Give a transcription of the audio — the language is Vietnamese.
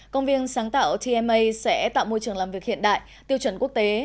công viên sáng tạo tma sẽ tạo môi trường làm việc hiện đại tiêu chuẩn quốc tế